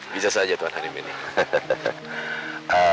bisa saja tuhan hanyam menikahkan